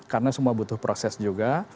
karena semua butuh proses juga